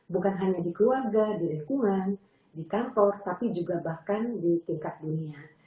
bukan hanya di keluarga di lingkungan di kantor tapi juga bahkan di tingkat dunia